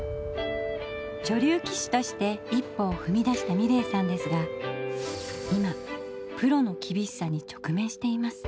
女流棋士として一歩をふみだした美礼さんですが今プロの厳しさに直面しています。